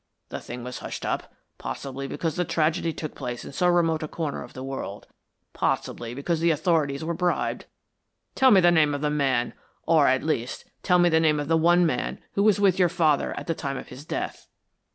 The thing was hushed up, possibly because the tragedy took place in so remote a corner of the world possibly because the authorities were bribed. Tell me the name of the man, or, at least, tell me the name of the one man who was with your father at the time of his death."